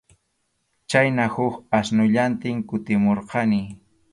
Chhayna huk asnullantin kutimurqani.